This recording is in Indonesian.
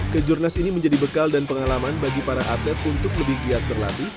kejurnas ini menjadi bekal dan pengalaman bagi para atlet untuk lebih giat berlatih